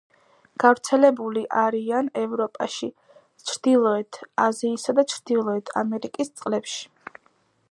გავრცელებული არიან ევროპაში, ჩრდილოეთ აზიისა და ჩრდილოეთ ამერიკის წყლებში.